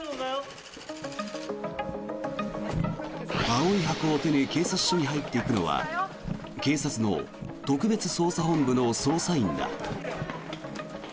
青い箱を手に警察署に入っていくのは警察の特別捜査本部の捜査員だ。